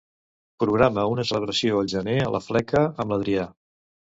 Programa una celebració al gener a la fleca amb l'Adrià.